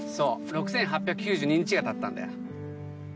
６８９２日がたったんだよ。